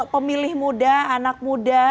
pemilih muda anak muda